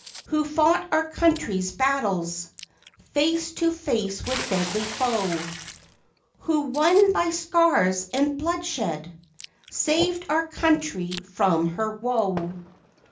Who fought our country's battles, Face to face with deadly foe, Who won by scars and bloodshed, Saved our country from her woe?